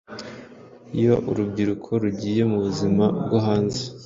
Iyo urubyiruko rugiye mu buzima bwo hanze